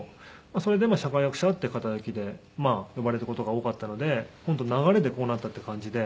それで社会学者っていう肩書で呼ばれる事が多かったので本当流れでこうなったっていう感じで。